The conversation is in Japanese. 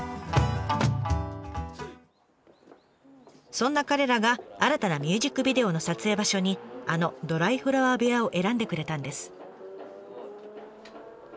そんな彼らが新たなミュージックビデオの撮影場所にあのドライフラワー部屋を選んでくれたんです。